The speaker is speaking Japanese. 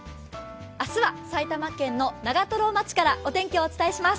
明日は埼玉県の長瀞町からお天気をお伝えします。